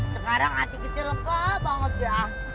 sekarang hati kita lekah banget ya